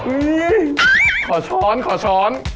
ขอช้อนขอช้อน